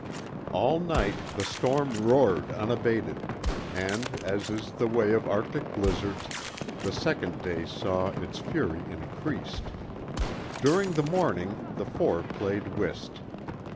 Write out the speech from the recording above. II All night the storm roared unabated and, as is the way of Arctic blizzards, the second day saw its fury increased. During the morning the four played whist.